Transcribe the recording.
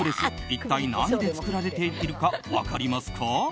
一体何で作られているか分かりますか？